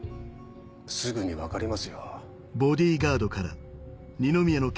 すぐに分かりますよ。